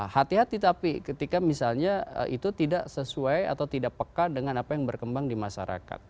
hati hati tapi ketika misalnya itu tidak sesuai atau tidak peka dengan apa yang berkembang di masyarakat